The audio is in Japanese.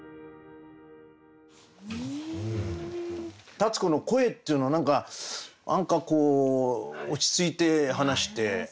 立子の声っていうのは何かこう落ち着いて話してね。